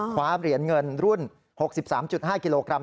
คว้าเหรียญเงินรุ่น๖๓๕กิโลกรัม